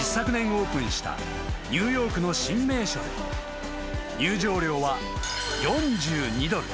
オープンしたニューヨークの新名所で入場料は４２ドル。